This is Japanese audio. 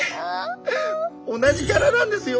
同じギャラなんですよ